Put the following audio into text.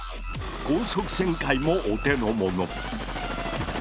高速旋回もお手の物。